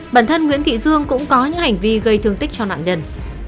bản thân nguyễn thị dương cũng có những hành vi gây thương tích cho nạn nhân